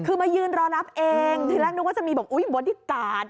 คือมายืนรอรับเองทีแรกนึกว่าจะมีบอกอุ๊ยบอดี้การ์ด